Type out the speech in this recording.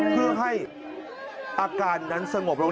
เพื่อให้อาการนั้นสงบลง